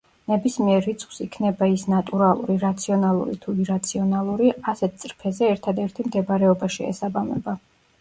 ნებისმიერ რიცხვს იქნება ის ნატურალური, რაციონალური თუ ირაციონალური ასეთ წრფეზე ერთადერთი მდებარეობა შეესაბამება.